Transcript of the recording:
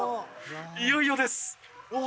いよいよですうわ